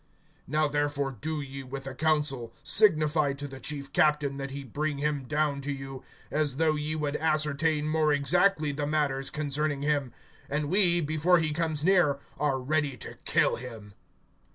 (15)Now therefore do ye, with the council, signify to the chief captain that he bring him down to you, as though ye would ascertain more exactly the matters concerning him; and we, before he comes near, are ready to kill him.